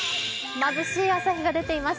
まぶしい朝日が出ています。